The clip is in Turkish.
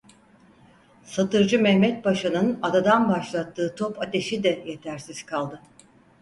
Satırcı Mehmed Paşa'nın adadan başlattığı top ateşi de yetersiz kaldı.